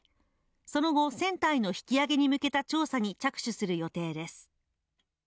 その後、船体の引き揚げに向けた調査に着手する予定です。